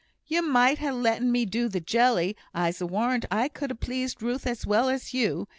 "You might ha' letten me do the jelly; I'se warrant I could ha' pleased Ruth as well as you.